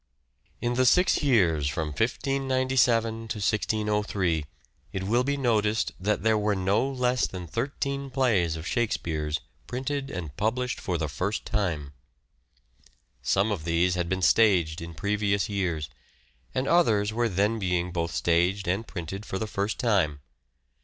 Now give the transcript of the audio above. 416 "SHAKESPEARE' IDENTIFIED In the six years from 1597 t° J6o3 it will be noticed there were no less than thirteen plays of Shakespeare's printed and published for the first time. Some of these had been staged in previous years, and others were then being both staged and printed for the first time.